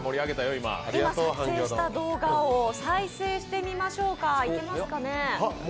今、撮影した動画を再生してみましょうか。